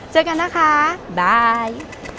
เจอกันนะคะบ๊าย